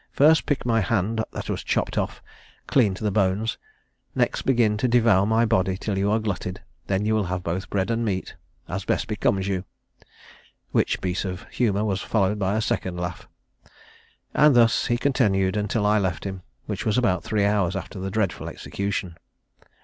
'First pick my hand that was chopped off, clean to the bones; next begin to devour my body till you are glutted; when you will have both bread and meat, as best becomes you:' which piece of humour was followed by a second laugh. And thus he continued until I left him, which was about three hours after the dreadful execution."